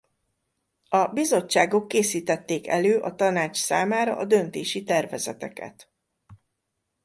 A bizottságok készítették elő a tanács számára a döntési tervezeteket.